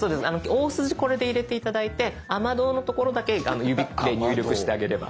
大筋これで入れて頂いて「雨どう」の所だけ指で入力してあげれば。